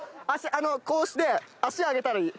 こうして足上げたらいい。